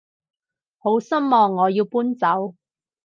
好失望我要搬走